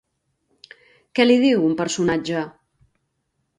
Què li diu un personatge?